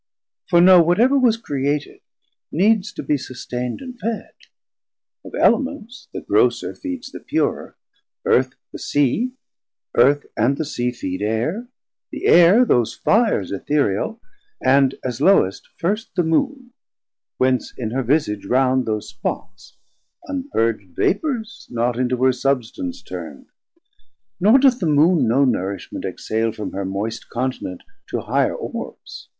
For know, whatever was created, needs To be sustaind and fed; of Elements The grosser feeds the purer, earth the sea, Earth and the Sea feed Air, the Air those Fires Ethereal, and as lowest first the Moon; Whence in her visage round those spots, unpurg'd Vapours not yet into her substance turnd. 420 Nor doth the Moon no nourishment exhale From her moist Continent to higher Orbes.